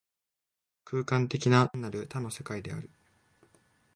空間的な、単なる多の世界である。